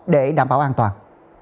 để đảm bảo an toàn